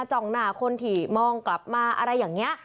จ้องหน้าคนที่มองกลับมาอะไรอย่างนี้